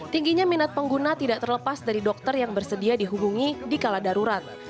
tingginya minat pengguna tidak terlepas dari dokter yang bersedia dihubungi di kala darurat